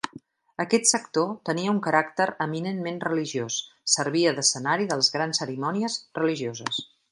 Aquest sector tenia un caràcter eminentment religiós, servia d'escenari de les grans cerimònies religioses.